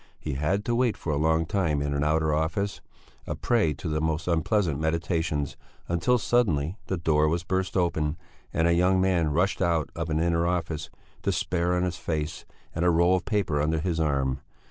He had to wait for a long time in an outer office, a prey to the most unpleasant meditations, until suddenly the door was burst open and a young man rushed out of an inner office, despair on his face and a roll of paper under his arm.